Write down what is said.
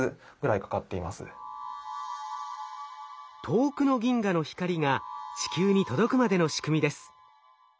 遠くの銀河の光が地球に届くまでの仕組みです。